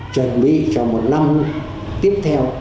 chuẩn bị cho một năm tiếp theo